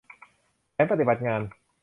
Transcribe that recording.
แผนปฏิบัติงาน